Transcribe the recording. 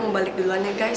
gue mau balik duluan ya guys